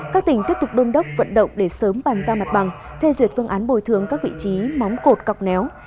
các tỉnh tiếp tục đôn đốc vận động để sớm bàn giao mặt bằng phê duyệt phương án bồi thường các vị trí móng cột cọc néo